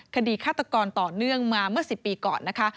ฆาตกรต่อเนื่องมาเมื่อ๑๐ปีก่อนนะคะ